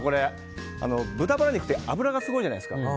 豚バラ肉って脂がすごいじゃないですか。